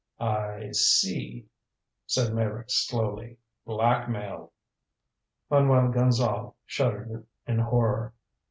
"I see," said Meyrick slowly. "Blackmail." Manuel Gonzale shuddered in horror.